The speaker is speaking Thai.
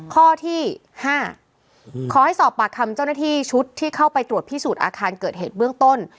ข้อที่๕ขอให้สอบปากคำเจ้าหน้าที่ชุดที่เข้าไปตรวจพิสูจน์อาคารเกิดเหตุเบื้องต้น